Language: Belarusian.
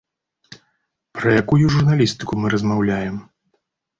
Пра якую журналістыку мы размаўляем?